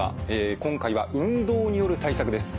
今回は運動による対策です。